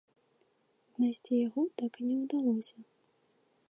Знайсці яго так і не ўдалося.